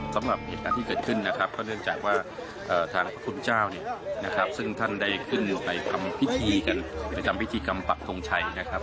สำหรับเหตุการณ์ที่เกิดขึ้นนะครับก็เนื่องจากว่าทางพระคุณเจ้าเนี่ยนะครับซึ่งท่านได้ขึ้นไปทำพิธีกันไปทำพิธีกรรมปักทงชัยนะครับ